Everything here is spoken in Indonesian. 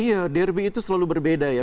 iya derby itu selalu berbeda ya